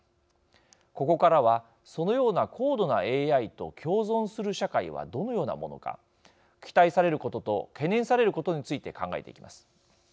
ここからはそのような高度なＡＩと共存する社会はどのようなものか期待されることと懸念されることについて考えていきます。